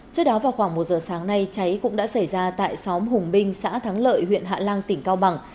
trước đó vào khoảng một giờ sáng nay cháy cũng đã xảy ra tại xóm hùng binh xã thắng lợi huyện hạ lan tỉnh cao bằng